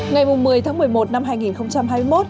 ngày một mươi tháng một mươi một năm hai nghìn hai mươi một